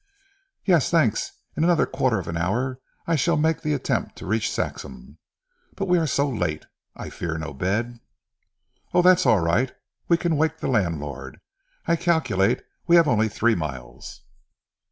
"Yes, thanks. In another quarter of an hour, I shall make the attempt to reach Saxham. But we are so late, I fear no bed " "Oh, that's alright. We can wake the landlord, I calculate we have only three miles."